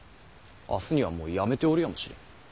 明日にはもう辞めておるやもしれぬ。